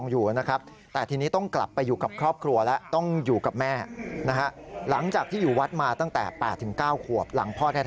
อยู่กับพระที่วัดนะครับ